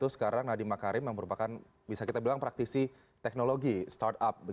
sekarang nadiem makarim yang merupakan bisa kita bilang praktisi teknologi startup